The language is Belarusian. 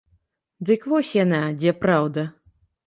Так вось яна, дзе праўда?